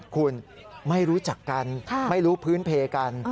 คุณไม่รู้จักกันไม่รู้พื้นเพกัน